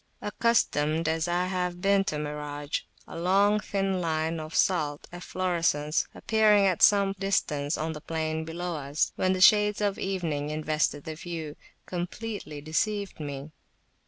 Accustomed as I have been to mirage, a long thin line of salt efflorescence appearing at some distance on the plain below us, when the shades of evening invested the view, completely deceived me.